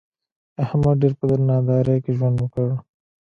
احمد ډېر په نادارۍ کې ژوند وکړ.